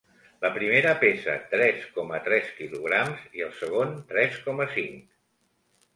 La primera pesa tres coma tres quilograms i el segon tres coma cinc.